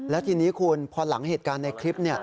แล้วทีนี้คุณพอหลังเหตุการณ์ในคลิป